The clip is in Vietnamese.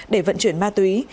để vận chuyển ma túy